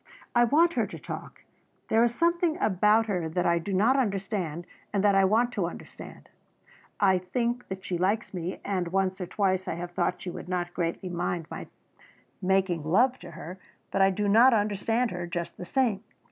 I want her to talk. There is something about her that I do not understand and that I want to understand. I think that she likes me and once or twice I have thought she would not greatly mind my making love to her, but I do not understand her just the same."